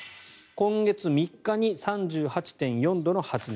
今月３日に３８．４度の発熱。